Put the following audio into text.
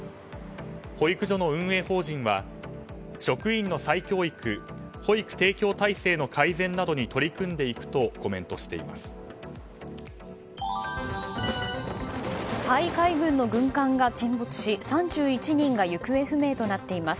保育所の運営法人は職員の再教育保育提供体制の改善などに取り組んでいくとコメントしています。